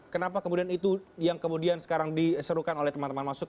kenapa kemudian itu yang kemudian sekarang diserukan oleh teman teman masuk